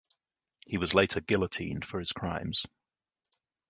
He was later guillotined for his crimes.